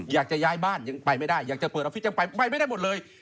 อยากจะย้ายบ้านยังไปไม่ได้อยากจะเปิดออฟฟิศยังไปไปไม่ได้หมดเลย